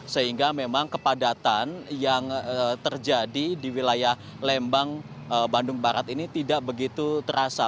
sehingga memang kepadatan yang terjadi di wilayah lembang bandung barat ini tidak begitu terasa